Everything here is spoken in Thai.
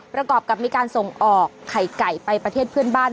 ประกอบกับมีการส่งออกไข่ไก่ไปประเทศเพื่อนบ้าน